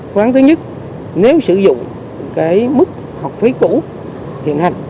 phương án thứ nhất nếu sử dụng mức học phí cũ hiện hành